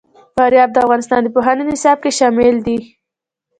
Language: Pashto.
فاریاب د افغانستان د پوهنې نصاب کې شامل دي.